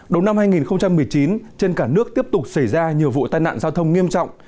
đầu năm hai nghìn một mươi chín trên cả nước tiếp tục xảy ra nhiều vụ tai nạn giao thông nghiêm trọng